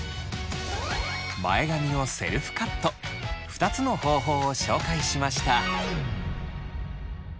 前髪のセルフカット２つの方法を紹介しました。